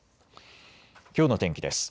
きょうの天気です。